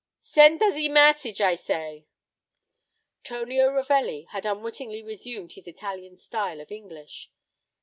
Send a ze mes sage, I say." Tonio Ravelli had unwittingly resumed his Italian style of English.